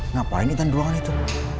ngapain intan ruangan itu